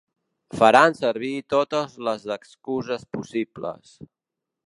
Faran servir totes les excuses possibles.